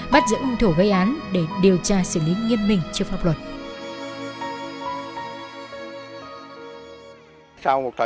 bắt giữ hùng thủ gây án để điều tra xử lý nghiêm mình trước pháp luật